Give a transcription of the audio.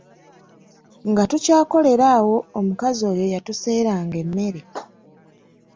Nga tukyakolera awo omukazi oyo yatuseeranga emmere.